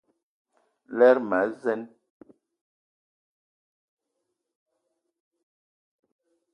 Lerma a zeen.